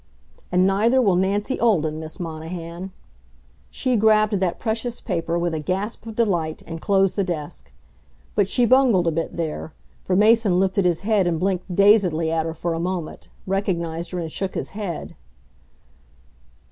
And neither will Nancy Olden, Miss Monahan. She grabbed that precious paper with a gasp of delight and closed the desk. But she bungled a bit there, for Mason lifted his head and blinked dazedly at her for a moment, recognized her and shook his head.